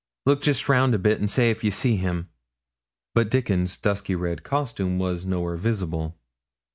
Look jist round a bit and say if ye see him.' But Dickon's dusky red costume was nowhere visible.